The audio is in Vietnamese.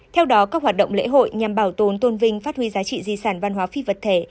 theo đó các hoạt động lễ hội nhằm bảo tồn tôn vinh phát huy giá trị di sản văn hóa phi vật thể